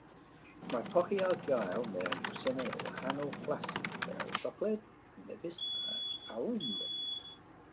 Mae poci ar gael mewn dwsinau o wahanol flasau fel siocled, mefus ac almwn.